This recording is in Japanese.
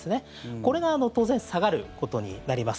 これが当然、下がることになります。